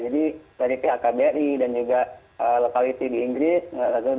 jadi dari pihak kbi dan juga localiti di inggris